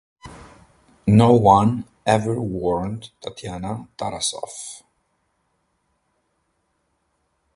No one ever warned Tatiana Tarasoff.